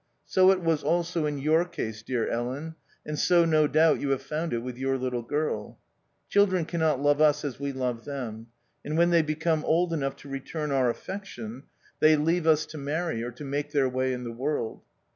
So it was also in your case, dear Ellen, and so no doubt you have found it with your little girl. Children cannot love us as we love them ; and when they become old enough to return our affection, they 5S THE OUTCAST. leave us to marry or to make their way in the world.